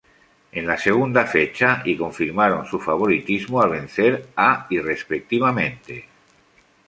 En la segunda fecha y confirmaron su favoritismo al vencer a y respectivamente.